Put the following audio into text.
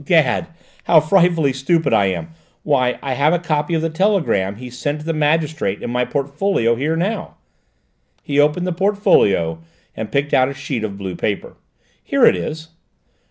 "'Gad, how frightfully stupid I am! Why, I have a copy of the telegram he sent the magistrate in my portfolio here now." He opened the portfolio and picked out a sheet of blue paper. "Here it is."